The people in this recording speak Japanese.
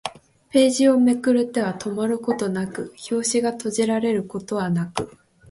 ページをめくる手は止まることはなく、表紙が閉じられることはなく